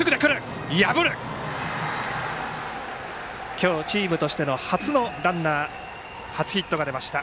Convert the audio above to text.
今日チームとしての初のランナー初ヒットが出ました。